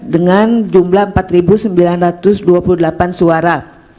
dengan jumlah empat sembilan ratus dua puluh delapan suara